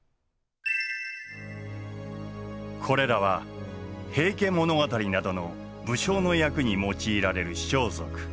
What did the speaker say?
これらは「平家物語」などの武将の役に用いられる装束。